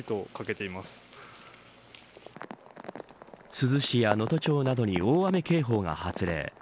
珠洲市や能登町などに大雨警報が発令。